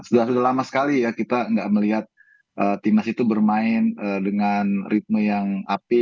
sudah lama sekali ya kita nggak melihat timnas itu bermain dengan ritme yang api